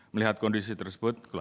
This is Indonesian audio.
melihat kondisi tersebut